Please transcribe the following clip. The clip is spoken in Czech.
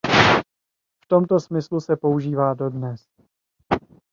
V tomto smyslu se používá dodnes.